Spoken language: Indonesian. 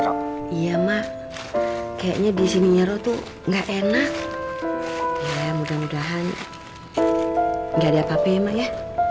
roh iya mak kayaknya di sini nyaro tuh nggak enak ya mudah mudahan nggak ada apa apa ya